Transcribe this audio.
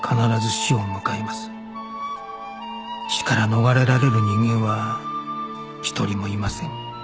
死から逃れられる人間は一人もいません